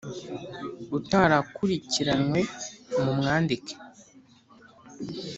Utarakurikiranywe mumwandike.